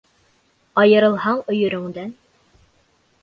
Айырылһаң өйөрөңдән